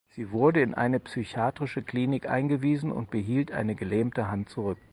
Sie wurde in eine psychiatrische Klinik eingewiesen und behielt eine gelähmte Hand zurück.